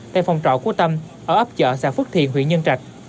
tại phòng trọ của tâm ở ấp chợ xã phước thiện huyện nhân trạch